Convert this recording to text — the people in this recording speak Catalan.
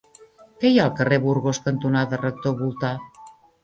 Què hi ha al carrer Burgos cantonada Rector Voltà?